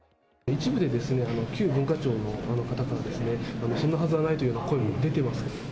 一部でですね、旧文化庁の方からですね、そんなはずはないというような声も出ていますけど。